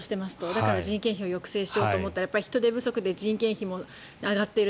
だから、人件費を抑制しようと思ったら人手不足で人件費も上がっている。